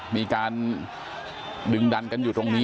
มีการดึงดันกันอยู่ตรงนี้